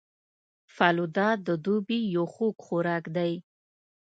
فالوده د دوبي یو خوږ خوراک دی